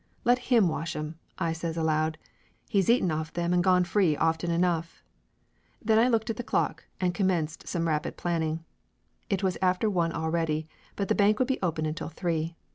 "Let him wash 'em!" I says aloud. "He's eaten off them and gone free often enough !" Then I looked at the clock and commenced some rapid planning. It was after one already, but the bank would be open until three.